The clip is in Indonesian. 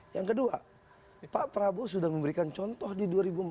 yang kedua pak prabowo sudah memberikan contoh di dua ribu empat belas